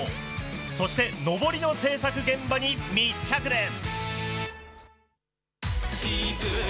そして、のぼりの制作現場に密着です。